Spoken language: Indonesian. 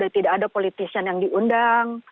tidak ada politisian yang diundang